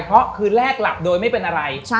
เพราะคือแรกหลับโดยไม่เป็นอะไร